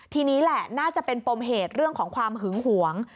ทีนี้แหละน่าจะเป็นปมเหตุเรื่องของความหึงหวง